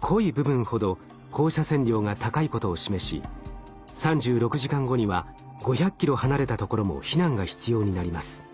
濃い部分ほど放射線量が高いことを示し３６時間後には５００ｋｍ離れたところも避難が必要になります。